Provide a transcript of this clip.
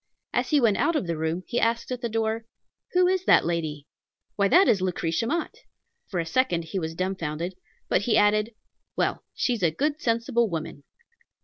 As he went out of the room, he asked at the door, "Who is that lady?" "Why, that is Lucretia Mott!" For a second he was dumbfounded; but he added, "Well, she's a good, sensible woman."